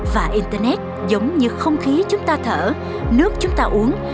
và internet giống như không khí chúng ta thở nước chúng ta uống